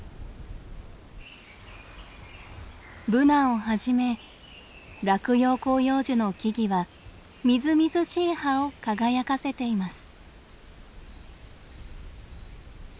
ブナをはじめ落葉広葉樹の木々はみずみずしい葉を輝かせています。